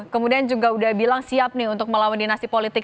kemudian juga udah bilang siap nih untuk melawan dinasti politik